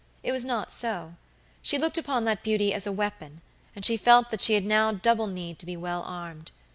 It was not so; she looked upon that beauty as a weapon, and she felt that she had now double need to be well armed.